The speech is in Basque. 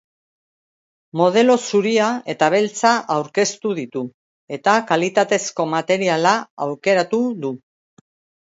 Modelo zuria eta beltza aurkeztu ditu eta kalitatezko materiala aukeratu du.